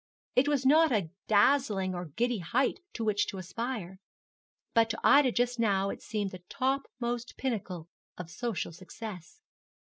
It was not a dazzling or giddy height to which to aspire; but to Ida just now it seemed the topmost pinnacle of social success.